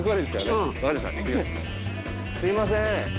すいません。